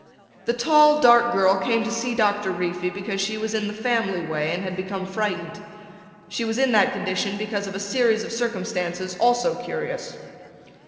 The tall dark girl came to see Doctor Reefy because she was in the family way and had become frightened. She was in that condition because of a series of circumstances also curious.